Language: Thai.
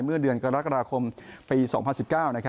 เมื่อเดือนกรกฎาคมปี๒๐๑๙